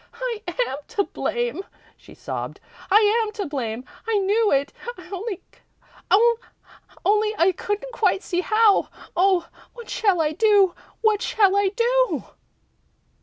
"I am to blame," she sobbed. "I am to blame! I knew it, only I couldn't quite see how. Oh, what shall I do? What shall I do?"